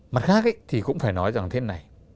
mặt khác thì cũng phải nói rằng thế này